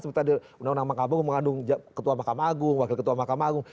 sebenarnya undang undang makabung mengandung ketua makam agung wakil ketua makam agung